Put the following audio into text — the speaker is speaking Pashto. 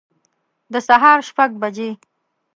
د سهار شپږ بجي